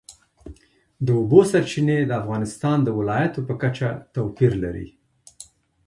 د اوبو سرچینې د افغانستان د ولایاتو په کچه توپیر لري.